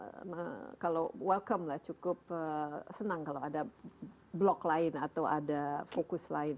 karena kalau welcome lah cukup senang kalau ada blok lain atau ada fokus lain